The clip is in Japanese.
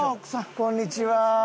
こんにちは。